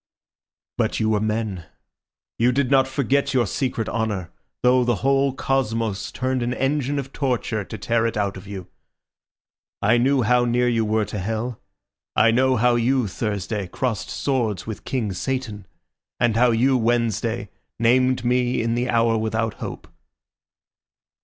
"But you were men. You did not forget your secret honour, though the whole cosmos turned an engine of torture to tear it out of you. I knew how near you were to hell. I know how you, Thursday, crossed swords with King Satan, and how you, Wednesday, named me in the hour without hope."